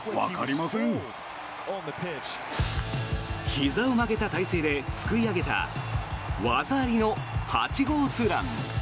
ひざを曲げた体勢ですくい上げた技ありの８号ツーラン。